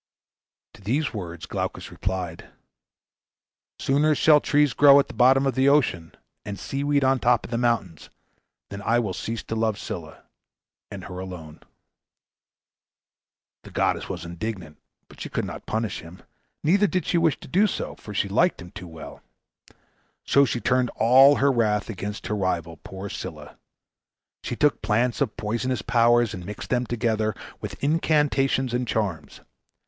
To these words Glaucus replied, "Sooner shall trees grow at the bottom of the ocean, and sea weed on the top of the mountains, than I will cease to love Scylla, and her alone." The goddess was indignant, but she could not punish him, neither did she wish to do so, for she liked him too well; so she turned all her wrath against her rival, poor Scylla. She took plants of poisonous powers and mixed them together, with incantations and charms.